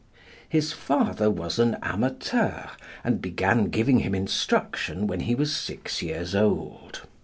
His father was an amateur, and began giving him instruction when he was six years old.